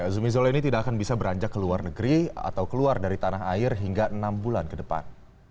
zumi zola ini tidak akan bisa beranjak ke luar negeri atau keluar dari tanah air hingga enam bulan ke depan